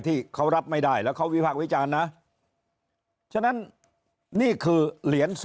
ที่เขารับไม่ได้แล้วเขาวิพากษ์วิจารณ์นะฉะนั้นนี่คือเหรียญ๒